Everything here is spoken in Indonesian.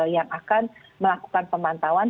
yang akan melakukan pemantauan